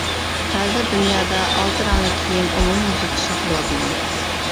ھازىر دۇنيادا «ئالتە رەڭلىك كىيىم» ئومۇميۈزلۈك ئىشلىتىلىۋاتىدۇ.